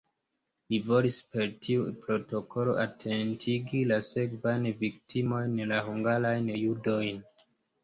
Li volis per tiu protokolo atentigi la sekvajn viktimojn, la hungarajn judojn.